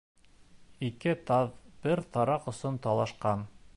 Ике таҙ бер тараҡ өсөн талашҡан.